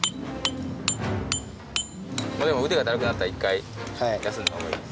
でも腕がだるくなったら一回休んだ方がいいです。